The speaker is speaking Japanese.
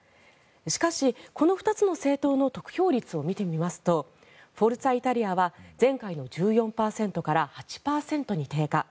しかし、この２つの政党の得票率を見てみますとフォルツァ・イタリアは前回の１４％から８％に低下。